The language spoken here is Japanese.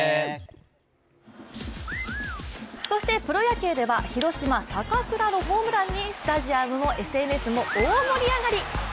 そしてプロ野球では広島・坂倉のホームランにスタジアムもＳＮＳも大盛り上がり！